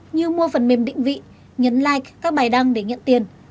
như mua phần mềm định vị nhấn like các bài đăng để nhận tiền